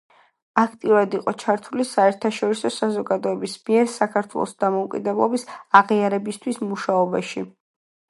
აქტიურად იყო ჩართული საერთაშორისო საზოგადოების მიერ საქართველოს დამოუკიდებლობის აღიარებისთვის მუშაობაში.